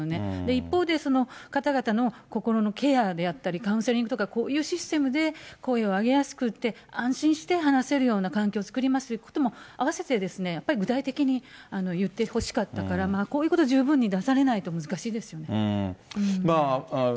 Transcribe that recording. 一方でその方々の心のケアであったり、カウンセリングとか、こういうシステムで声を上げやすくて、安心して話せるような環境作りますということもあわせて、やっぱり具体的に言ってほしかったから、こういうこと十分に出されないと難しいですよね。